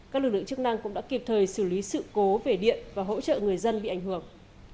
các lực lượng chức năng cũng đã kịp thời xử lý sự cố về điện và hỗ trợ người dân bị ảnh hưởng